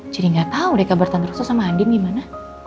jadi gak tau deh kabar tantrosu sama andi gimana